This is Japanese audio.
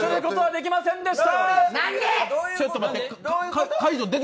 できませんでした。